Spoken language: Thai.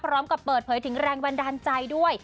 พร้อมกับเปิดเผยถึงแรงบันดาลใจด้วย